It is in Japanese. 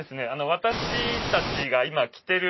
私たちが今着てる。